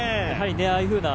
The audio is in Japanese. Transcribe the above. ああいうふうな